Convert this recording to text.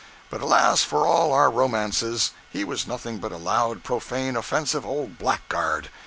But alas for all our romances, he was nothing but a loud, profane, offensive, old blackguard!